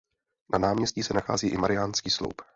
Na náměstí se nachází i Mariánský sloup.